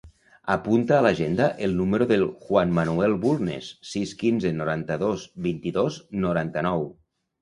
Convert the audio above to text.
Apunta a l'agenda el número del Juan manuel Bulnes: sis, quinze, noranta-dos, vint-i-dos, noranta-nou.